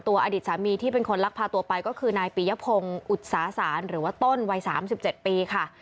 อดีตสามีที่เป็นคนลักพาตัวไปก็คือนายปียพงศ์อุตสาศาลหรือว่าต้นวัย๓๗ปีค่ะ